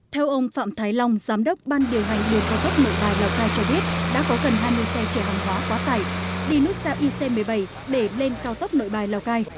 theo ông phạm thái long giám đốc ban điều hành đường cao tốc nội bài lào cai cho biết đã có gần hai mươi xe chở hàng hóa quá tải đi nút giao ic một mươi bảy để lên cao tốc nội bài lào cai